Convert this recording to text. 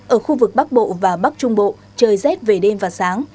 ở khu vực bắc bộ và bắc trung bộ trời rét về đêm và sáng